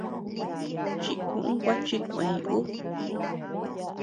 Chikuʼu gua chikueñ ú c.